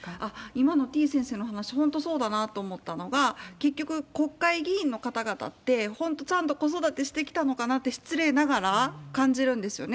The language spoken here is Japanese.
今のてぃ先生の話、本当そうだなと思ったのが、結局、国会議員の方々って、本当、ちゃんと子育てしてきたのかなって、失礼ながら感じるんですよね。